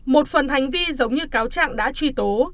một phần hành vi giống như cáo trạng đã truy tố